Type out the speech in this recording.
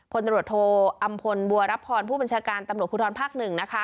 พลตรวจโทอำพลบัวรับพรผู้บัญชาการตำรวจภูทรภาค๑นะคะ